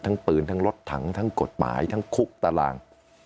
ทั้งปืนทั้งรถถังทั้งกฎหมายทั้งคุกตาราง